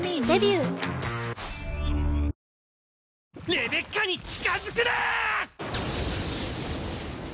レベッカに近づくな‼